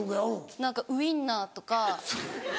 何かウインナーとか。